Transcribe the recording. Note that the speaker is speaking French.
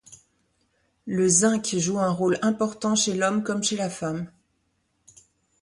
Le zinc joue un rôle important chez l'homme comme chez la femme.